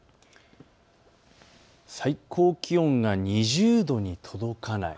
最高気温が２０度に届かない。